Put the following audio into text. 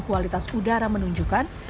kualitas udara menunjukkan